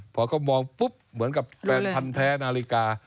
พอเขามองปุ๊บเหมือนกับแฟนพันธ์แท้นาฬิกา